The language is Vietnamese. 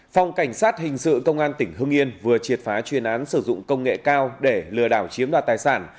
phòng cảnh sát hình sự công an tỉnh hưng yên vừa triệt phá chuyên án sử dụng công nghệ cao để lừa đảo chiếm đoạt tài sản